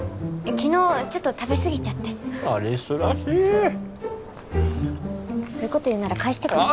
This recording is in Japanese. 昨日ちょっと食べ過ぎちゃって有栖らしいそういうこと言うんなら返してください